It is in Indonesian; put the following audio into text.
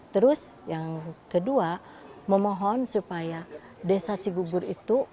terus yang kedua memohon supaya desa cigugur itu